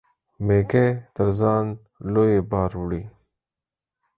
مېږى تر ځان لوى بار وړي.